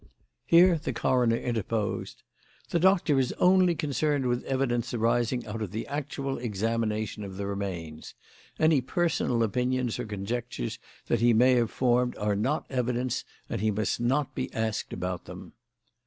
Here the coroner interposed. "The Doctor is only concerned with evidence arising out of the actual examination of the remains. Any personal opinions or conjectures that he may have formed are not evidence, and he must not be asked about them."